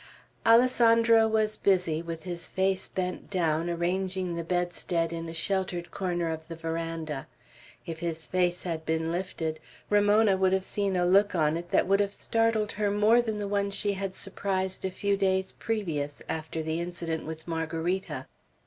Alessandro was busy, with his face bent down, arranging the bedstead in a sheltered corner of the veranda. If his face had been lifted, Ramona would have seen a look on it that would have startled her more than the one she had surprised a few days previous, after the incident with Margarita.